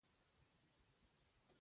دوی وایي دنیا خو پهٔ ښکرو ولاړه ده